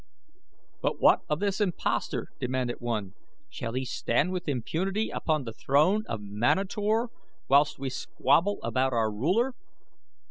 "But what of this impostor?" demanded one. "Shall he stand with impunity upon the throne of Manator whilst we squabble about our ruler?"